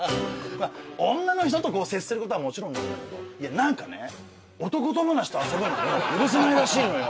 女の人と接することはもちろんなんだけど何かね男友達と遊ぶのも許せないらしいのよ。